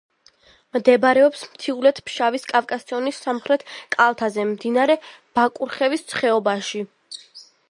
მდებარეობს მთიულეთ-ფშავის კავკასიონის სამხრეთ კალთაზე, მდინარე ბაკურხევის ხეობაში.